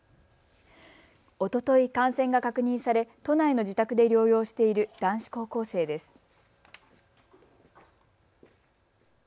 おととい感染が確認され都内の自宅で療養している男子高校生です。